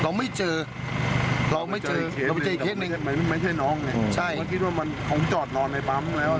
เราไม่เจอเราไม่เจอเคสหนึ่งไม่ใช่น้องเนี้ยใช่มันคิดว่ามันของจอดนอนในปั๊มแล้ว